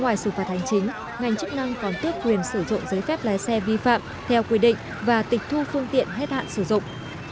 ngoài xử phạt hành chính ngành chức năng còn tước quyền sử dụng giấy phép lái xe vi phạm theo quy định và tịch thu phương tiện hết hạn sử dụng